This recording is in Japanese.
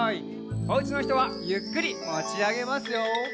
おうちのひとはゆっくりもちあげますよ。